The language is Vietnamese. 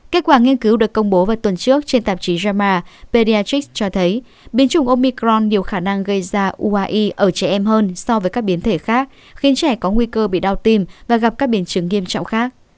kết quả nghiên cứu được công bố vào tuần trước trên tạp chí yama pediatrix cho thấy biến chủng omicron nhiều khả năng gây ra uai ở trẻ em hơn so với các biến thể khác khiến trẻ có nguy cơ bị đau tim và gặp các biến chứng nghiêm trọng khác